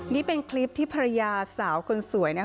นี่เป็นคลิปที่ภรรยาสาวคนสวย